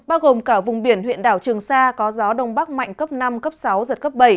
bao gồm cả vùng biển huyện đảo trường sa có gió đông bắc mạnh cấp năm cấp sáu giật cấp bảy